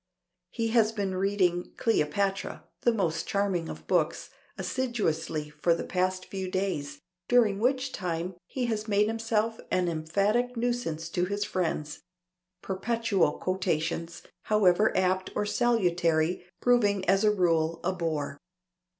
He has been reading "Cleopatra" (that most charming of books) assiduously for the past few days, during which time he has made himself an emphatic nuisance to his friends: perpetual quotations, however apt or salutary, proving as a rule a bore.